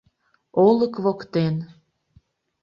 Олык воктен